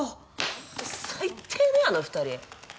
本当最低ねあの２人。